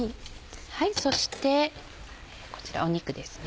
そしてこちらお肉ですね。